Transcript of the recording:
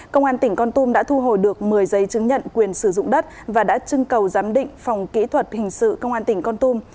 công an tỉnh con tum đã thu hồi được một mươi giấy chứng nhận quyền sử dụng đất và đã trưng cầu giám định phòng kỹ thuật hình sự công an tỉnh con tum